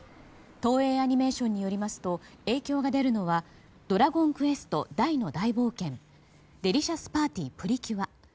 東映アニメーションによりますと影響が出るのは「ドラゴンクエストダイの大冒険」「デリシャスパーティプリキュア」